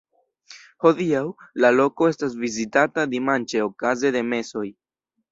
Hodiaŭ, la loko estas vizitata dimanĉe okaze de mesoj.